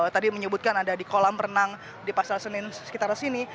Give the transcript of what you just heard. tadi menyebutkan ada di kolam renang di pasar senen sekitar sini